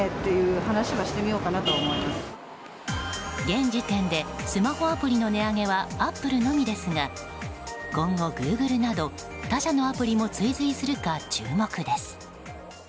現時点でスマホアプリの値上げはアップルのみですが今後、グーグルなど他社のアプリも追随するか注目です。